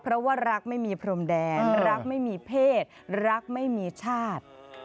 เพราะว่ารักไม่มีพรมแดนรักไม่มีเพศรักไม่มีชาติ